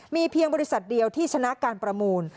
มีเพียงบริษัทเดียวที่ชนะการประมูล